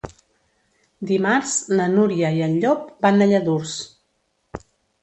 Dimarts na Núria i en Llop van a Lladurs.